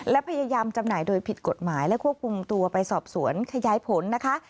และพยายามจำหน่ายโดยผิดกฎหมายและควบคุมตัวไปสอบสวนขยายผลนะคะ